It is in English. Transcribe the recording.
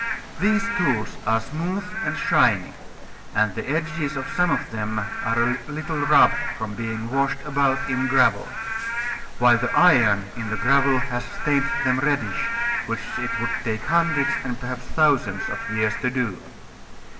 These tools are smooth and shiny: and the edges of some of them are a little rubbed from being washed about in gravel; while the iron in the gravel has stained them reddish, which it would take hundreds and perhaps thousands of years to do.